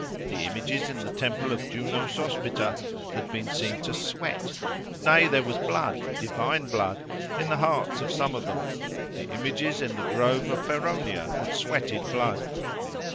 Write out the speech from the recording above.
The images in the temple of Juno Sospita had been seen to sweat. Nay! there was blood—divine blood—in the hearts of some of them: the images in the Grove of Feronia had sweated blood!